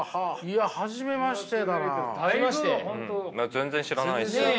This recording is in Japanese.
全然知らないです。